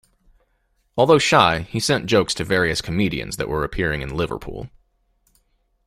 Although shy, he sent jokes to various comedians that were appearing in Liverpool.